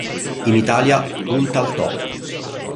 In Italia, "Punta al Top!